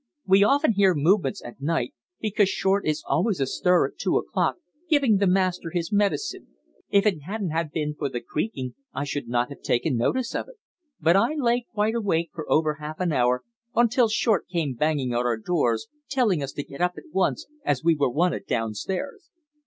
We often hear movements at nights, because Short is always astir at two o'clock, giving the master his medicine. If it hadn't ha' been for the creaking I should not have taken notice of it. But I lay quite wide awake for over half an hour until Short came banging at our doors, telling us to get up at once, as we were wanted downstairs."